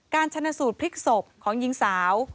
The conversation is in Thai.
ชนะสูตรพลิกศพของหญิงสาว